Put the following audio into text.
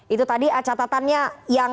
itu tadi catatannya yang